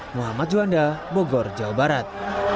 muhammad juanda bogor jawa barat